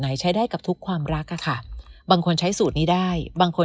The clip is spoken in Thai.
ใช้ได้กับทุกความรักอะค่ะบางคนใช้สูตรนี้ได้บางคน